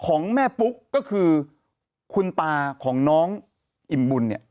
ของแม่ปุ๊กก็คือคุณปาน้องน้องอินบุญ